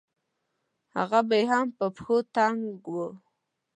هغه به يې هم په پښو تنګ وو.